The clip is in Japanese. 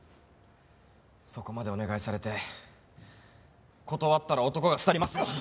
そこまでお願いされて断ったら男が廃ります。